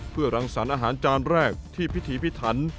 เพื่อรางศาลที่อาหารจานแรกที่พิธีพิธัน